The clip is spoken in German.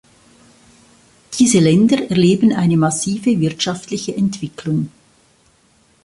Diese Länder erleben eine massive wirtschaftliche Entwicklung.